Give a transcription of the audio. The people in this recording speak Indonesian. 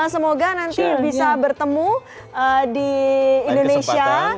semoga nanti bisa bertemu di indonesia